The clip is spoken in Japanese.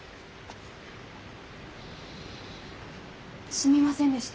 すみませんでした。